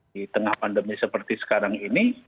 di tengah pandemi seperti sekarang ini